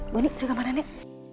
bonny tidur ke kamar nek